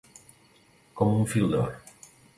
Com un fil d'or.